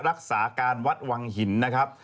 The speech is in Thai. รักษาการวัดวังหินนะครับ